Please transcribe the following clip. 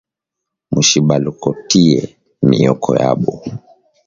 Mushibalokotiye mioko yabo